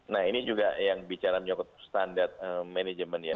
nah ini juga yang bicara menyokot standar manajemen ya